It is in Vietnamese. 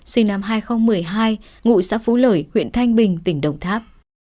sinh năm hai nghìn một mươi hai ngụ xã phú lợi huyện thanh bình tỉnh đồng tháp